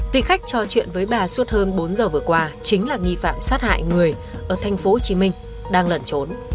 vị khách trò chuyện với bà suốt hơn bốn giờ vừa qua chính là nghi phạm sát hại người ở tp hcm đang lẩn trốn